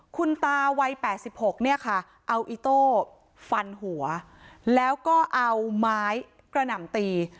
คุณตาวัย๘๖เนี่ยค่ะเอาอิโต้ฟันหัวแล้วก็เอาไม้กระหน่ำตี